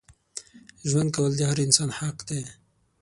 ژوند کول د هر انسان حق دی.